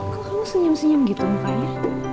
kok kamu senyum senyum gitu mukanya